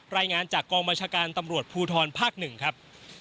รายงานจากกองบัญชาการตำรวจภูทรภาค๑ครับ